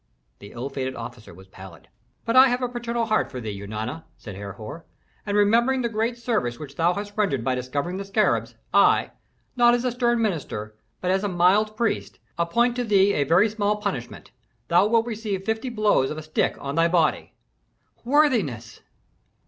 The ill fated officer was pallid. "But I have a paternal heart for thee, Eunana," said Herhor, "and, remembering the great service which thou hast rendered by discovering the scarabs, I, not as a stern minister, but as a mild priest, appoint to thee a very small punishment. Thou wilt receive fifty blows of a stick on thy body." "Worthiness!"